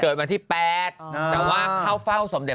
เกิดวันที่๘แต่ว่าฝ่าวออกเต็มสมเด็จ